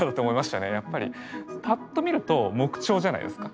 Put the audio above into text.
やっぱりパッと見ると木彫じゃないですか。